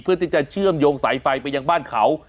เพื่อที่จะเชื่อมโยงสายไฟไปยังบ้านเขา